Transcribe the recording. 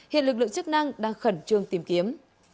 hiện lực lượng chức năng đang khẩn trương tìm kiếm